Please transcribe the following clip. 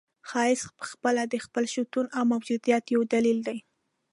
ښایست پخپله د خپل شتون او موجودیت یو دلیل دی.